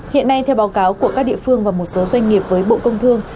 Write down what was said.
hiện nay theo báo cáo của các địa phương và một số doanh nghiệp với bộ công thương